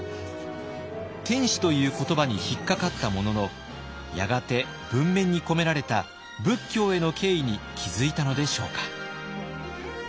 「天子」という言葉に引っ掛かったもののやがて文面に込められた仏教への敬意に気付いたのでしょうか。